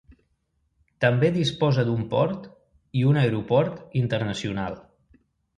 També disposa d'un port i un aeroport internacional.